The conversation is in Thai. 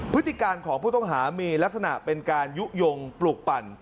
พฤติการของผู้ต้องหามีลักษณะเป็นการยุโยงปลูกปั่น